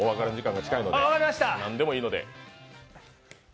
何でもいいので。